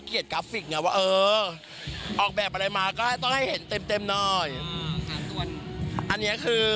กดกาคุณก้อยรัชวินนะฮะ